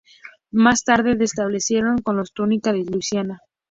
Más tarde se establecieron con los tunica en Luisiana.